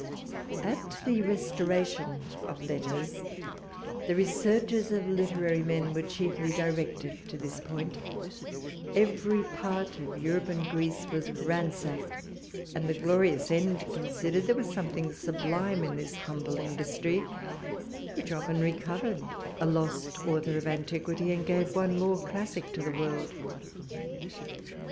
At the restoration of letters, the researches of literary men were chiefly directed to this point; every part of Europe and Greece was ransacked; and, the glorious end considered, there was something sublime in this humble industry, which often recovered a lost author of antiquity, and gave one more classic to the world.